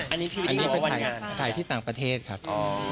อันนี้ไปถ่ายที่ต่างประเทศครับ